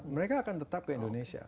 mereka akan tetap ke indonesia